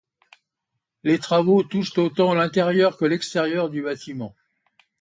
Les travaux touchent autant l'intérieur que l'extérieur du bâtiment.